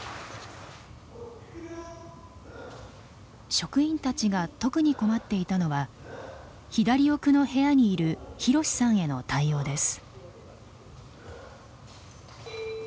職員たちが特に困っていたのは左奥の部屋にいるひろしさんへの対応です。